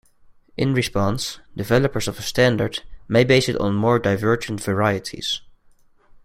In response, developers of a standard may base it on more divergent varieties.